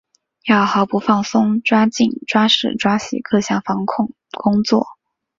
要毫不放松抓紧抓实抓细各项防控工作